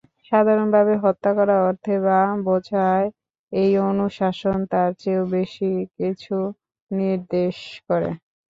সাধারণভাবে হত্যা করা অর্থে যা বোঝায় এই অনুশাসন তার চেয়েও বেশি কিছু নির্দেশ করে।